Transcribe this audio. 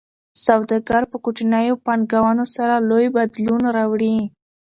سوداګر په کوچنیو پانګونو سره لوی بدلون راوړي.